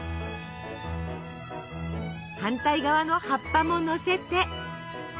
反対側の葉っぱものせて。